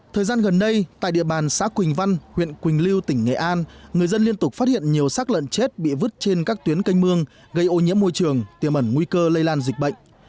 thời gian gần đây tại địa bàn xã quỳnh văn huyện quỳnh lưu tỉnh nghệ an người dân liên tục phát hiện nhiều sác lợn chết bị vứt trên các tuyến canh mương gây ô nhiễm môi trường tiềm ẩn nguy cơ lây lan dịch bệnh